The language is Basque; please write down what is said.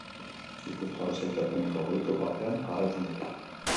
Gipuzkoarrek sailkapeneko goiko partean jarraitzen dute.